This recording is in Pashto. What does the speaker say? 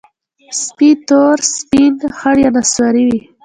سپي تور، سپین، خړ یا نسواري وي.